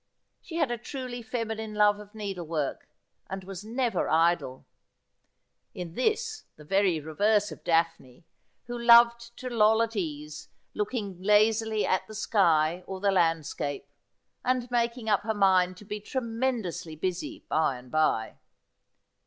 She had a truly feminine love of needlework, and was never idle— in this the very reverse of Daphne, who 46 Asphodel. loved to loll at ease, looking lazily at the sky or the landscape, and making up her mind to be tremendously busy by and by.